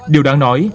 điều đáng nói